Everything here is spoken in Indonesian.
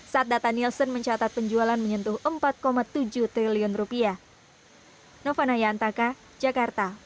saat data nielsen mencatat penjualan menyentuh empat tujuh triliun rupiah